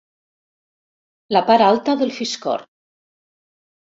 La part alta del fiscorn.